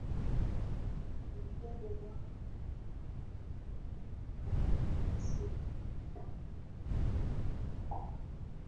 mbe wako tumeupata hapo unasema kwamba